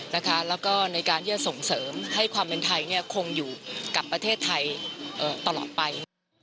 และการส่งเสริมให้ความเป็นไทยคงอยู่กับประเทศไทยตลอดไป